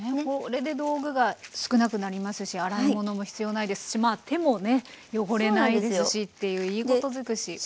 これで道具が少なくなりますし洗い物も必要ないですしまあ手もね汚れないですしっていういいこと尽くし。